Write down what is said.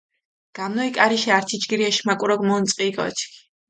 გამნოლ კარიშე ართი ჯგირი ეშმაკურო მონწყილ კოჩქ.